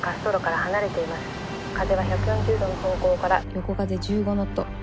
風は１４０度の方向から横風１５ノット。